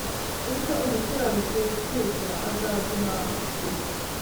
icyo umukiranutsi yifuza azagihabwa